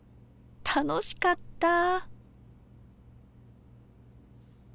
楽しかったぁ。